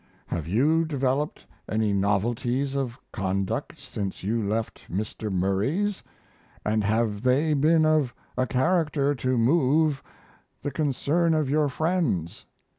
Have you developed any novelties of conduct since you left Mr. Murray's, & have they been of a character to move the concern of your friends?